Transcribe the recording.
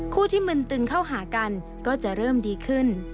คู่ที่มึนตึงเข้าหากันก็จะเริ่มดีขึ้น